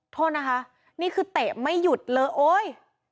โทษนะคะนี่คือเตะไม่หยุดเลยโอ๊ย